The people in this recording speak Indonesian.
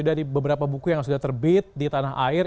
dari beberapa buku yang sudah terbit di tanah air